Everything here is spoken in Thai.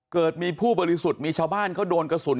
เกิดมีผู้บริสุทธิ์มีชาวบ้านเขาโดนกระสุน